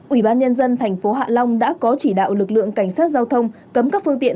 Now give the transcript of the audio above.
ủy ban nhân dân thành phố hạ long đã có chỉ đạo lực lượng cảnh sát giao thông cấm các phương tiện